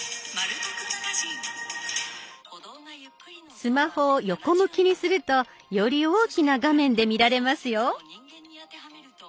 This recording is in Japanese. スマホを横向きにするとより大きな画面で見られますよ。